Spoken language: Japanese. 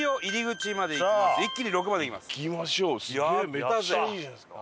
めっちゃいいじゃないですか。